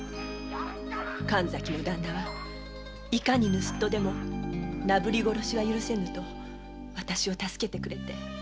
神崎のダンナはいかに盗人でもなぶり殺しは許せぬとわたしを助けてくれて。